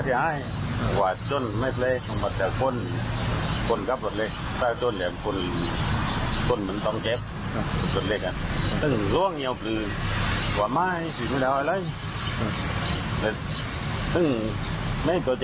ในช่วงที่เกิดเหตุชุนละมุนมีคนถูกลุ่มลงไปแล้วนะคะ